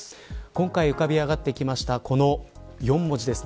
今回浮かび上がってきたこの４文字です。